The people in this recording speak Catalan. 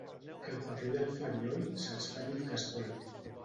Al paper i al flabiol se'ls fa dir el que es vol.